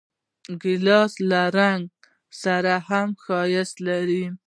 ګیلاس له رنګ سره هم ښایست لري.